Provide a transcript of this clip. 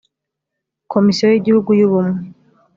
komisiyo y igihugu y ubumwe